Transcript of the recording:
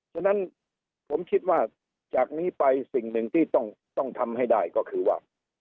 ฉะนั้นผมคิดว่าจากนี้ไปสิ่งหนึ่งที่ต้องทำให้ได้ก็คือว่า